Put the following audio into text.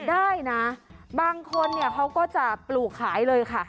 ได้นะบางคนเนี่ยเขาก็จะปลูกขายเลยค่ะ